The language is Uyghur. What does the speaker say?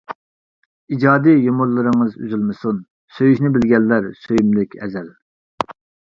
ئىجادىي يۇمۇرلىرىڭىز ئۈزۈلمىسۇن. سۆيۈشنى بىلگەنلەر سۆيۈملۈك ئەزەل.